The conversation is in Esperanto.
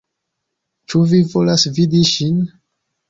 Ĉu vi volas vidi ŝin?